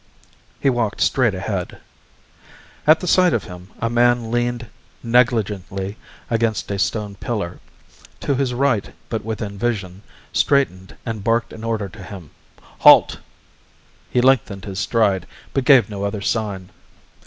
He walked straight ahead. At the sight of him a man leaning negligently against a stone pillar, to his right but within vision, straightened and barked an order to him, "Halt!" He lengthened his stride but gave no other sign.